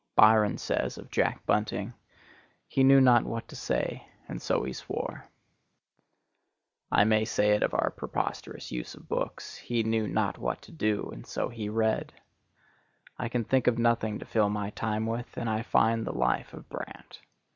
Byron says of Jack Bunting,— "He knew not what to say, and so he swore." I may say it of our preposterous use of books,—He knew not what to do, and so he read. I can think of nothing to fill my time with, and I find the Life of Brant.